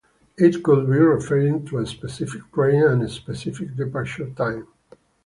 It could be referring to a specific train and a specific departure time.